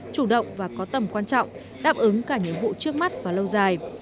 chủ động và có tầm quan trọng đáp ứng cả nhiệm vụ trước mắt và lâu dài